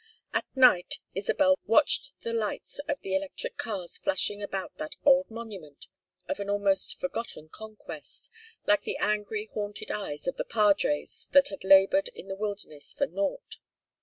At night Isabel watched the lights of the electric cars flashing about that old monument of an almost forgotten conquest like the angry haunted eyes of the padres that had labored in the wilderness for naught.